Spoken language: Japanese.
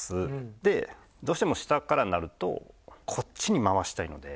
でどうしても下からになるとこっちに回したいので。